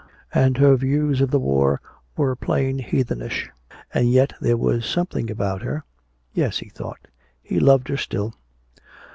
And her views of the war were plain heathenish! And yet there was something about her yes, he thought, he loved her still!